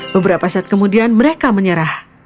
beberapa saat kemudian mereka menyerah